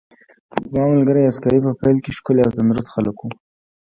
زما ملګري عسکر په پیل کې ښکلي او تندرست خلک وو